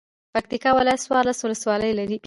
پکتيا ولايت څوارلس ولسوالۍ لری.